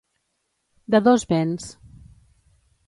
De dos vents.